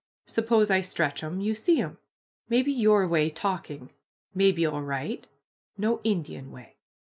Suppose I stretch 'em, you see 'em. May be your way talking, may be all right, no Indian way."